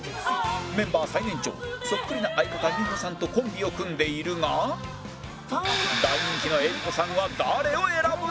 メンバー最年長そっくりな相方美穂さんとコンビを組んでいるが大人気の江里子さんは誰を選ぶのか？